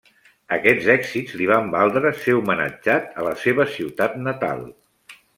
Aquests èxits li van valdre ser homenatjat a la seva ciutat natal.